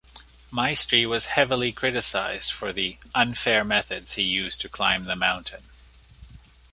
Maestri was heavily criticised for the "unfair" methods he used to climb the mountain.